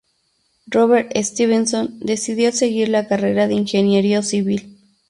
Robert Stevenson decidió seguir la carrera de ingeniero civil.